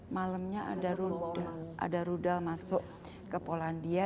malamnya ada rudal masuk ke polandia